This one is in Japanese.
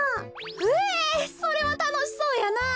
へえそれはたのしそうやな。